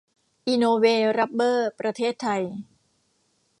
อีโนเว รับเบอร์ ประเทศไทย